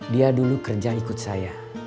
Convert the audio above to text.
dia dulu kerja ikut saya